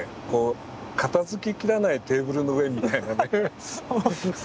片づききらないテーブルの上みたいなね。